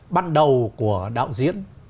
ban đầu của đạo diễn